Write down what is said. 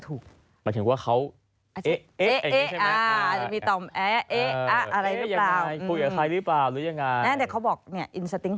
พูดอย่าไทยรึเปล่าหรือยังไง